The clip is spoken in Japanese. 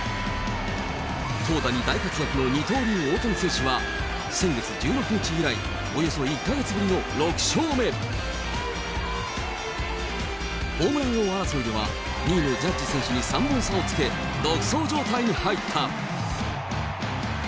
投打に大活躍の二刀流、大谷選手は、先月１６日以来、およそ１か月ぶりの６勝目。ホームラン王争いでは、２位のジャッジ選手に３本差をつけ、独走状態に入った。